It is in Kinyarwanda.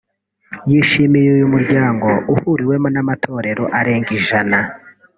yishimiye uyu muryango uhuriwemo n’amatorero arenga ijana